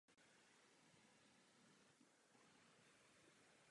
Čísla jsou dostatečně výmluvná.